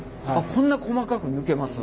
こんな細かく抜けます？